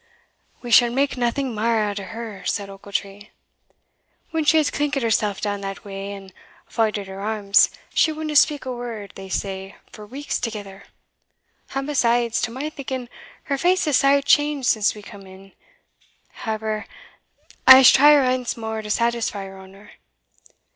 "We shall mak naething mair out o' her," said Ochiltree. "When she has clinkit hersell down that way, and faulded her arms, she winna speak a word, they say, for weeks thegither. And besides, to my thinking, her face is sair changed since we cam in. However, I'se try her ance mair to satisfy your honour.